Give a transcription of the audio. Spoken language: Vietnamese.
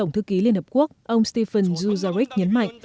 tổng thư ký liên hợp quốc ông stephen zuzarek nhấn mạnh